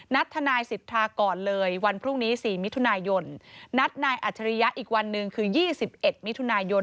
ทนายสิทธาก่อนเลยวันพรุ่งนี้๔มิถุนายนนัดนายอัจฉริยะอีกวันหนึ่งคือ๒๑มิถุนายน